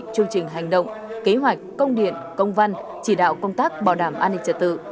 chương trình hành động kế hoạch công điện công văn chỉ đạo công tác bảo đảm an ninh trật tự